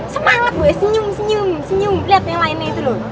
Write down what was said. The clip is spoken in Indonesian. semangat gue senyum senyum senyum lihat yang lainnya itu loh